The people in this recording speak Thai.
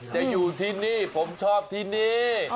จะอยู่ที่นี่ผมชอบที่นี่